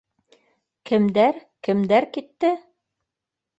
— Кемдәр, кемдәр китте?